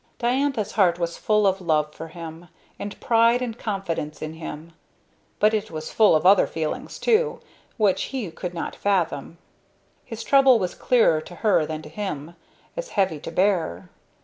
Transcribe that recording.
Diantha's heart was full of love for him, and pride and confidence in him; but it was full of other feelings, too, which he could not fathom. His trouble was clearer to her than to him; as heavy to bear.